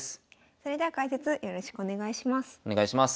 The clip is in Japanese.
それでは解説よろしくお願いします。